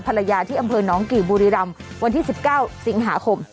ภรรยาที่อำเพิร์นองกิบุรีรัมวันที่สิบเก้าสิงหาคม